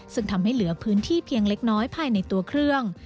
ซึ่งทำให้เหลือพื้นที่เพียงเล็กน้อยภายในตัวเครื่อง